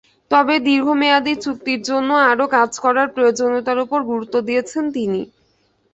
তবে দীর্ঘমেয়াদি চুক্তির জন্য আরও কাজ করার প্রয়োজনীয়তার ওপর গুরুত্ব দিয়েছেন তিনি।